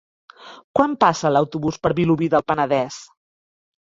Quan passa l'autobús per Vilobí del Penedès?